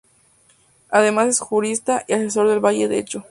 Además es jurista y asesor del valle de Echo.